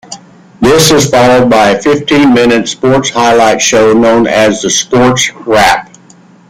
This is followed by a fifteen-minute sports highlight show known as "Sports Wrap".